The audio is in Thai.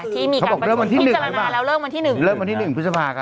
ที่มีการประสุนพิจารณาแล้วเริ่มวันที่๑พฤษภาคม